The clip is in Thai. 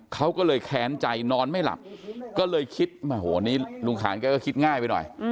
เขาก็เลยแค้นใจนอนไม่หลับก็เลยคิดโอ้โหนี่ลุงขานแกก็คิดง่ายไปหน่อย